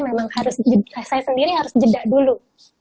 memang harus saya sendiri harus jeda dulu